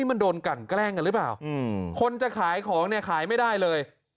มันโดนกันแกล้งกันหรือเปล่าคนจะขายของเนี่ยขายไม่ได้เลย